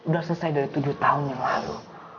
sudah selesai dari tujuh tahun yang lalu